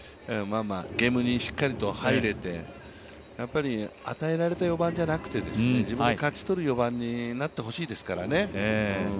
ゲームにしっかりと入れて、与えられた４番じゃなくて自分で勝ち取る４番になってほしいですからね。